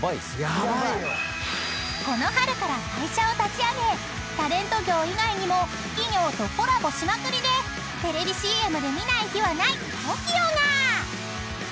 ［この春から会社を立ち上げタレント業以外にも企業とコラボしまくりでテレビＣＭで見ない日はないＴＯＫＩＯが］